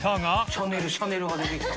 シャネルシャネルが出てきた。